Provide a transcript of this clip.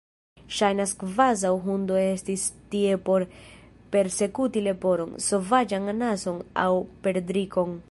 Ŝajnas kvazaŭ hundo estis tie por persekuti leporon, sovaĝan anason aŭ perdrikon.